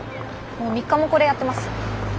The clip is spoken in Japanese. もう３日もこれやってます。